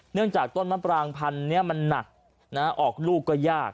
เนื่องจากต้นมะปรางพันธุ์เนี่ยมันนักนะฮะออกลูกก็หยาก